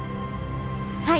はい！